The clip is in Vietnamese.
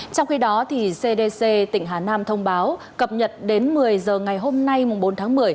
trong khi đó cdc tỉnh hà nam thông báo cập nhật đến một mươi giờ ngày hôm nay bốn tháng một mươi